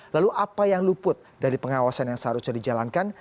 lalu apa yang luput dari pengawasan yang seharusnya dijalankan